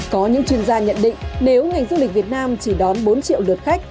có những chuyên gia nhận định nếu ngành du lịch việt nam chỉ đón bốn triệu lượt khách